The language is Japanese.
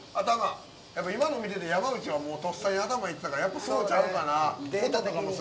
やっぱり今の見てて山内はとっさに頭いってたからやっぱそうちゃうかな。